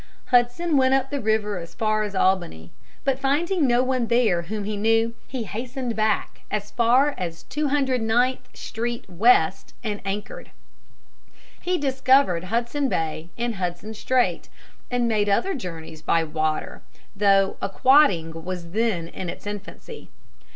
Hudson went up the river as far as Albany, but, finding no one there whom he knew, he hastened back as far as 209th Street West, and anchored. He discovered Hudson Bay and Hudson Strait, and made other journeys by water, though aquatting was then in its infancy.